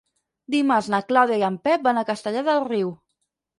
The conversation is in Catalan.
Dimarts na Clàudia i en Pep van a Castellar del Riu.